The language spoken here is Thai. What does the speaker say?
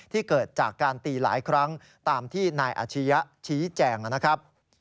เกิดจากการตีหลายครั้งตามที่นายอาชียะชี้แจงนะครับ